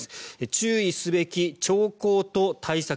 注意すべき兆候と対策。